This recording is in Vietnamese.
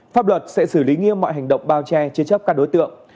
pháp luật sẽ xử lý nghiêm mọi hành động bao che chế chấp các đối tượng